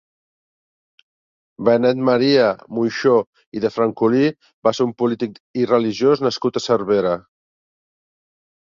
Benet Maria Moixó i de Francolí va ser un polític i religiós nascut a Cervera.